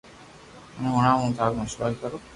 مني ھڻاو ھن ٿارو مسلو حل ڪرو